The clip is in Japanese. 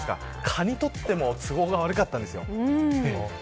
蚊にとっても都合が悪かったんですよ。